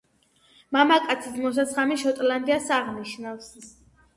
მამაკაცის მოსასხამი შოტლანდიას აღნიშნავს.